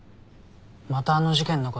またあの事件の事？